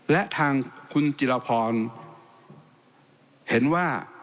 และทางคุณจิรพรเห็นว่า